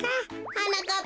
はなかっ